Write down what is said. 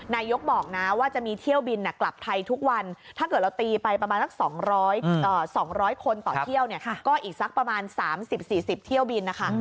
นายกบอกนะว่าจะมีเที่ยวบินกลับไทยทุกวันถ้าเกิดเราตีไปประมาณสัก๒๐๐คนต่อเที่ยวเนี่ยก็อีกสักประมาณ๓๐๔๐เที่ยวบินนะคะ